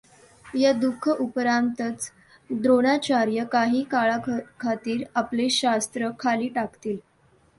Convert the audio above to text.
या दुखःउपरांतच द्रोणाचार्य काही काळाखातिर आपले शस्त्र खाली टाकतील.